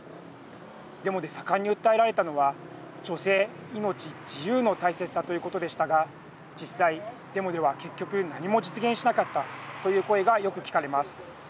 デモで盛んに訴えられたのは女性、命、自由の大切さということでしたが実際デモでは結局何も実現しなかったという声がよく聞かれます。